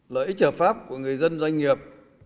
lợi ích trợ pháp của người dân doanh nghiệp